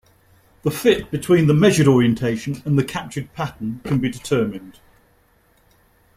The 'fit' between the measured orientation and the captured pattern can be determined.